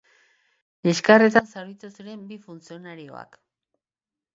Liskarretan zauritu ziren bi funtzionarioak.